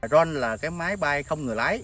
ron là máy bay không người lái